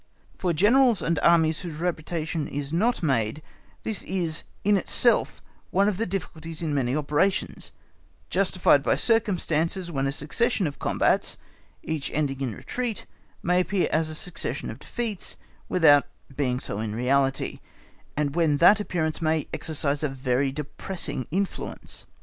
For Generals and Armies whose reputation is not made, this is in itself one of the difficulties in many operations, justified by circumstances when a succession of combats, each ending in retreat, may appear as a succession of defeats, without being so in reality, and when that appearance may exercise a very depressing influence.